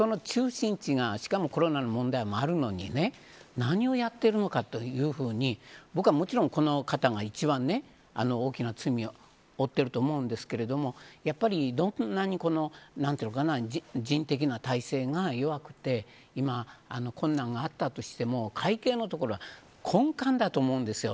その中心地が、しかもコロナの問題もあるのにね何をやっているのかというふうに僕はもちろん、この方が一番大きな罪を負っていると思うんですけどやっぱり、どんなに人的な体制が弱くて今、困難があったとしても会計のところは根幹だと思うんですよ。